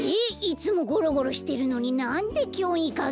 いつもゴロゴロしてるのになんできょうにかぎって。